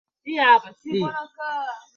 Mola hawaachi waja wake